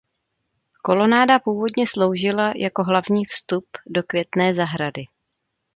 Kolonáda původně sloužila jako hlavní vstup do Květné zahrady.